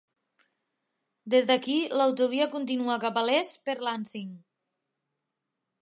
Des d'aquí, l'autovia continua cap a l'est per Lansing.